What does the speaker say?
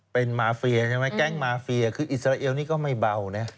เป็นมาเฟียใช่ไหมแก๊งมาเฟียคืออิสราเอลนี่ก็ไม่เบานะ